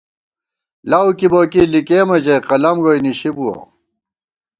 لؤ کِبوکی لِکېمہ ژَئی قلَم گوئی نِشِی بُوَہ